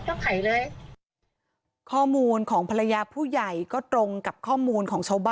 ทอบร่วงของภรรยาผู้ใหญ่ก็ตรงกับข้อมูลของชาวบ้าน